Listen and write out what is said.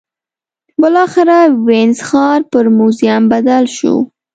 بالاخره وینز ښار پر موزیم بدل شو